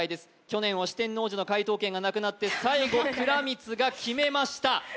去年は四天王寺の解答権がなくなって最後倉光が決めました